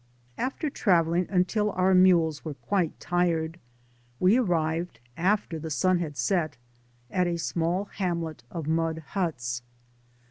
Aftei: travelling until our mules were quite tired, we arrived, after the sun had set, at a small hamlet of mud huts.